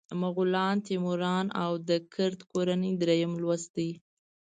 مغولان، تیموریان او د کرت کورنۍ دریم لوست دی.